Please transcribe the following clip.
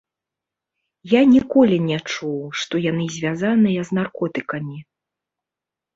Я ніколі не чуў, што яны звязаныя з наркотыкамі.